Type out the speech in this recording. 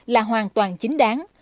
là hoàn toàn chính đáng